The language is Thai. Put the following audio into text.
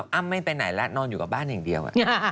อ้ำไม่ไปไหนแล้วนอนอยู่กับบ้านอย่างเดียว